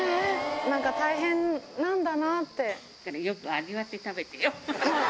なんか大変なんだなぁよく味わって食べてよ。